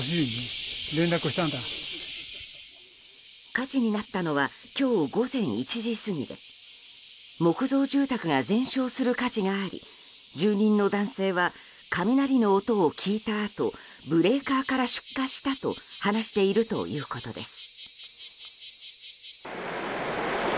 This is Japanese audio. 火事になったのは今日午前１時過ぎで木造住宅が全焼する火事があり住人の男性は雷の音を聞いたあとブレーカーから出火したと話しているということです。